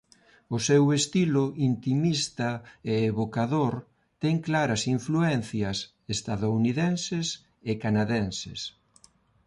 O seu estilo intimista e evocador ten claras influencias estadounidenses e canadenses.